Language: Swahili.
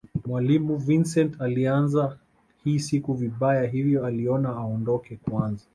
Mwalimu Vincent aliianza hii siku vibaya hivyo aliona aondoke kwanza